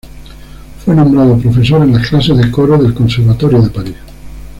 Fue nombrado profesor en las clases de coro del Conservatorio de París.